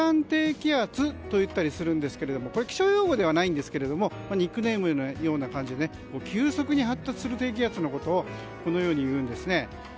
低気圧といったりするんですけど気象予報ではないんですけどニックネームみたいな感じで急速に発達する低気圧のことをこのように言うんです。